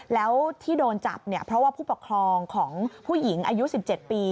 แล้วที่โดนจับเนี่ยเพราะว่าผู้ปกครองของผู้หญิงอายุ๑๗ปี